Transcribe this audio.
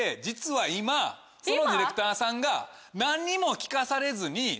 実は今そのディレクターさんが何にも聞かされずに。